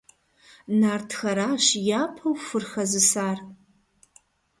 Нартхэращ япэу хур хэзысар.